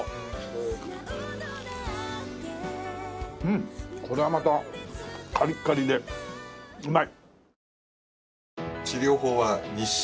うんこれはまたカリカリでうまい！